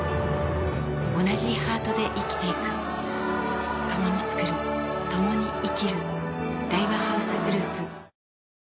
おなじハートで生きていく共に創る共に生きる大和ハウスグループあ！